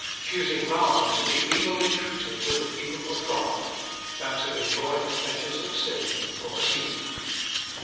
Choosing rather to be evil entreated with the people of God, than to enjoy the pleasures of sin for a season; 26.